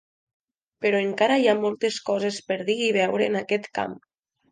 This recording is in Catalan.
Però encara hi ha moltes coses per dir i veure en aquest camp.